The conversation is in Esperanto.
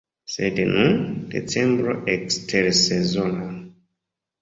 Sed nun, decembro ekstersezona.